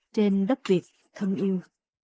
trên đất việt thân yêu